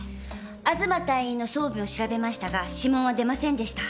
東隊員の装備を調べましたが指紋は出ませんでした。